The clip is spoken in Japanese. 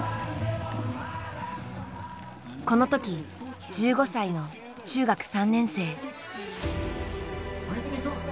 この時１５歳の中学３年生。